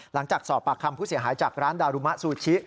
หลังจากสอบปากคำผู้เสียหายจากร้านดารุมะซูชิ